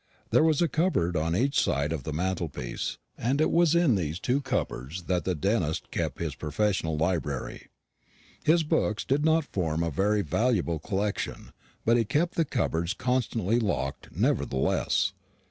There was a cupboard on each side of the mantelpiece, and it was in these two cupboards that the dentist kept his professional library. His books did not form a very valuable collection, but he kept the cupboards constantly locked nevertheless.